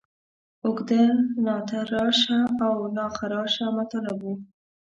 اوږده، ناتراشه او ناخراشه مطالب وو.